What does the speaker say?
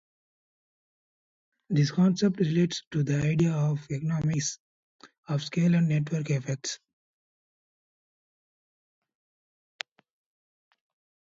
This concept relates to the idea of economies of scale and network effects.